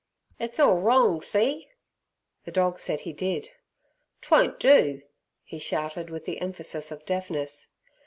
"It's orl wrong, see!" The dog said he did. "'Twon't do!" he shouted with the emphasis of deafness.